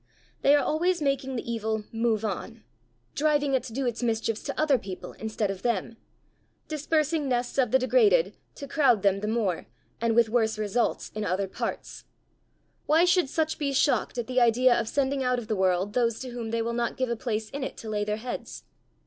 They are always making the evil "move on," driving it to do its mischiefs to other people instead of them; dispersing nests of the degraded to crowd them the more, and with worse results, in other parts: why should such be shocked at the idea of sending out of the world those to whom they will not give a place in it to lay their heads?